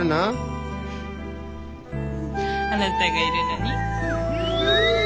あなたがいるのに？